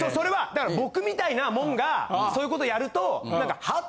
だから僕みたいなもんがそういうことやるとなんかハァ？